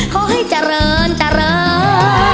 ขอให้เจริญเจริญ